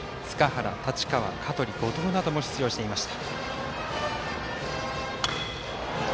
塚原、太刀川、後藤なども出場していました。